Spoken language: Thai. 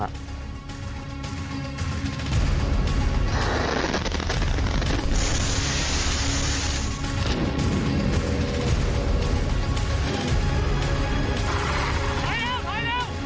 โปรดติดตามตอนต่อไป